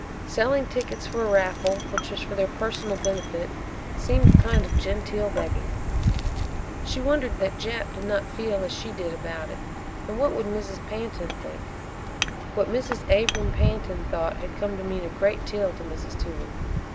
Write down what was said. Selling tickets for a raffle which was for their personal benefit seemed a kind of genteel begging. She wondered that Jap did not feel as she did about it. And what would Mrs. Pantin think? What Mrs. Abram Pantin thought had come to mean a great deal to Mrs. Toomey.